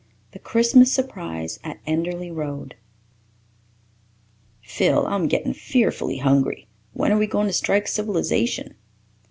The Christmas Surprise at Enderly Road "Phil, I'm getting fearfully hungry. When are we going to strike civilization?"